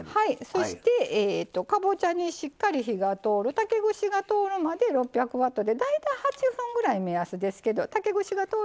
そしてかぼちゃにしっかり火が通る竹串が通るまで６００ワットで大体８分ぐらい目安ですけど竹串が通ればＯＫです。